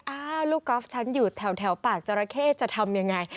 อ้าวลูกกอล์ฟฉันอยู่แถวปากจราเข้จะทำยังไง